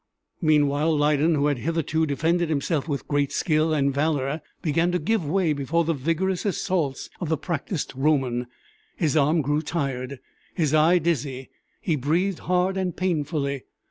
Meanwhile Lydon, who had hitherto defended himself with great skill and valor, began to give way before the vigorous assaults of the practiced Roman; his arm grew tired, his eye dizzy, he breathed hard and painfully.